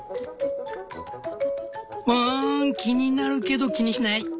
ワン気になるけど気にしない。